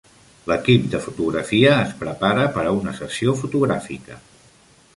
L'equip de fotografia es prepara per a una sessió fotogràfica.